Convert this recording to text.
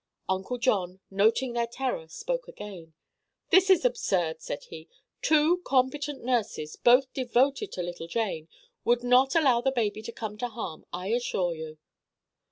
Uncle John, noting their terror, spoke again. "This is absurd," said he. "Two competent nurses, both devoted to little Jane, would not allow the baby to come to harm, I assure you."